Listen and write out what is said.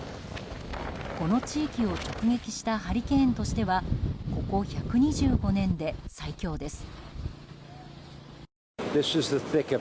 この地域を直撃したハリケーンとしてはここ１２５年で最強です。